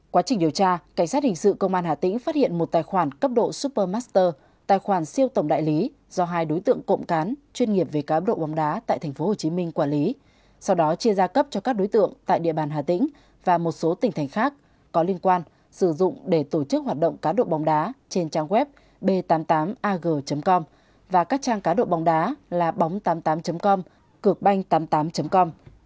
qua trình điều tra cảnh sát hình sự công an hà tĩnh phát hiện một tài khoản cấp độ supermaster tài khoản siêu tổng đại lý do hai đối tượng cộng cán chuyên nghiệp về cá độ bóng đá tại tp hcm quản lý sau đó chia ra cấp cho các đối tượng tại địa bàn hà tĩnh và một số tỉnh thành khác có liên quan sử dụng để tổ chức hoạt động cá độ bóng đá trên trang web b tám mươi tám ag com và các trang cá độ bóng đá là bóng tám mươi tám com cựcbanh tám mươi tám com